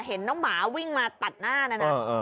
เห็นน้องหมาวิ่งมาตัดหน้านะนะ